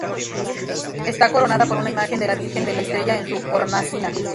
Está coronada por una imagen de la Virgen de la Estrella en su hornacina.